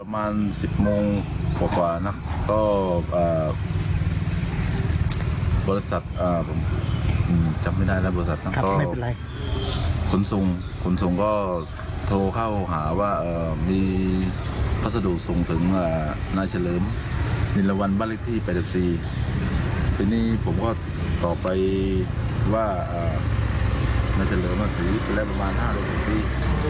มันจะเหลือมาสีไปแล้วประมาณ๕๖ปี